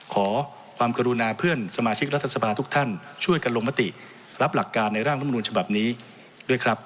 ขอความกรุณาเพื่อนสมาชิกรัฐสภาทุกท่านช่วยกันลงมติรับหลักการในร่างลำนูลฉบับนี้ด้วยครับ